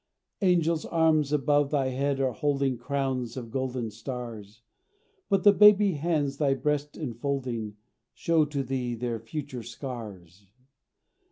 Angels' arms above thy head are holding Crowns of golden stars; But the baby hands thy breast enfolding Show to thee their future scars.